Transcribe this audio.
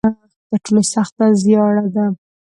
تر ټولو سخته زیاړه ده.